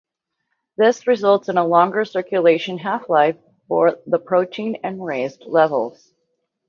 This results in a longer circulation half-life for the protein, and raised levels.